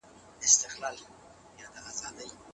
څېړنې په پوره غور ترسره سوې.